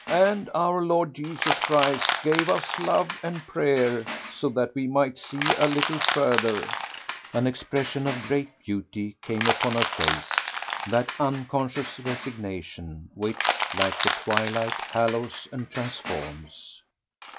And our Lord Jesus Christ gave us love and prayer so that we might see a little further." An expression of great beauty came upon her face, that unconscious resignation which, like the twilight, hallows and transforms.